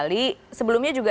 di saat a